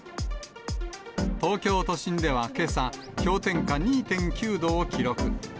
東京都心ではけさ、氷点下２．９度を記録。